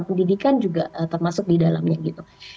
pendidikan juga termasuk di dalamnya gitu